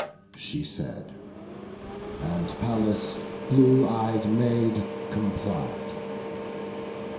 She said: and Pallas, blue ey'd Maid, complied.